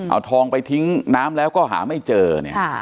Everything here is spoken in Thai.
เอาทองไปทิ้งน้ำแล้วก็หาไม่เจอเนี่ย